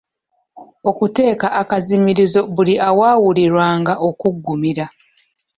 Okuteeka akazimirizo buli awaawulirwanga okuggumira.